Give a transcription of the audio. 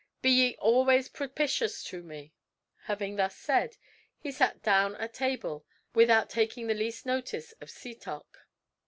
be ye always propitious to me." Having thus said, he sat down at table, without taking the least notice of Setoc.